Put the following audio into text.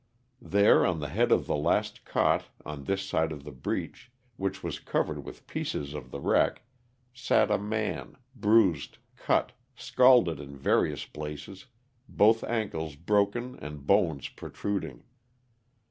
There, on the head of the last cot on this side of the breach, which was covered with pieces of the wreck, sat a man, bruised, cut, scalded in various places, both ankles broken and bones protruding.